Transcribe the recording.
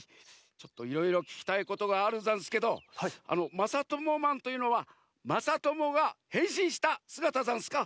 ちょっといろいろききたいことがあるざんすけどまさともマンというのはまさともがへんしんしたすがたざんすか？